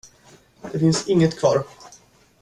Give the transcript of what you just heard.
Det finns inget kvar.